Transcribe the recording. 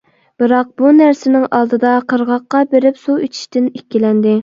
بىراق بۇ نەرسىنىڭ ئالدىدا قىرغاققا بېرىپ سۇ ئىچىشتىن ئىككىلەندى.